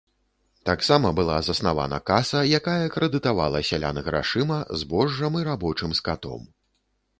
Таксама была заснавана каса, якая крэдытавала сялян грашыма, збожжам і рабочым скатом.